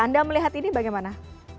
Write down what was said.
anda melihat ini bagaimana